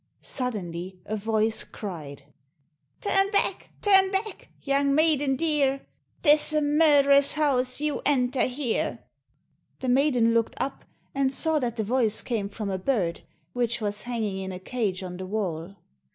Suddenly a voice cried, "Turn back, turn back, young maiden dear, 'Tis a murderer's house you enter here." The maiden looked up, and saw that the voice came from a bird, which was hanging in a cage on the wall.